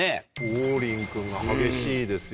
王林君が激しいですよね。